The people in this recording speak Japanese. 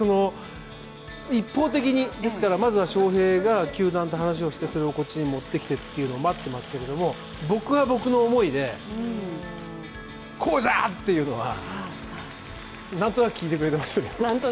一方的に、まずは翔平が球団と話をしてそれをこっちに持ってきてというのを待っていますけれども、僕は僕の思いで、こうだっていうのがなんとなく聞いてくれてました。